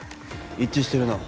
一致してるな。